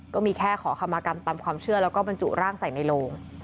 ก็มีแค่ขอคำมากรรมตามความเชื่อแล้วก็บรรจุร่างใส่ในโลง